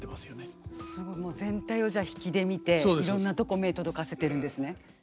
もう全体を引きで見ていろんなとこ目届かせてるんですね。